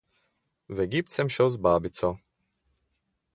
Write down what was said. V Egipt sem šel z babico.